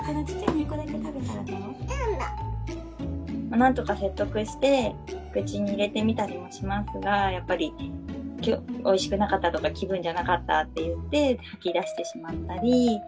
なんとか説得して口に入れてみたりもしますがやっぱりおいしくなかったとか気分じゃなかったと言って吐き出してしまったり。